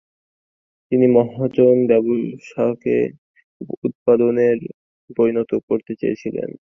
তিনি মহাজন ব্যবসাকে উৎপাদনে পরিণত করতে চেয়েছিলেন।